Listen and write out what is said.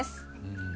うん。